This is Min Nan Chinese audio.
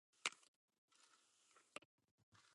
一句話，三斤重